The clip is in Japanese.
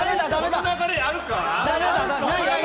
この流れあるか？